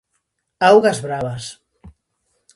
Augas bravas.